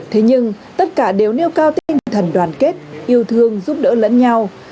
thế nhưng tất cả đều nêu cao tinh thần đoàn kết yêu thương giúp đỡ lẫn nhau